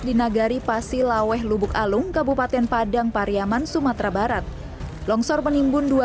di nagari pasilaweh lubuk alung kabupaten padang pariaman sumatera barat longsor menimbun dua